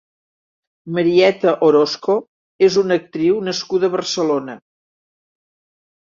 Marieta Orozco és una actriu nascuda a Barcelona.